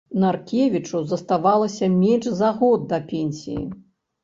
Наркевічу заставалася менш за год да пенсіі.